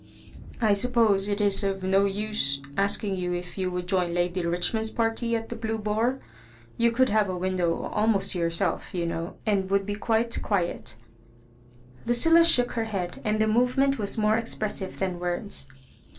" I suppose it is of no use asking you if you would join Lady Hich mond's party at the Blue Boar ? You could have a window almost to yourself^ you know, and would be quite quiet" Lucilla rfiook her head,, and the movement was more expressive than words.